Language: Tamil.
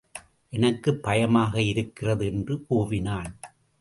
எனக்குப் பயமாக இருக்கிறது என்று கூவினான்!